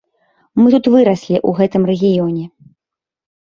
Мы тут выраслі ў гэтым рэгіёне.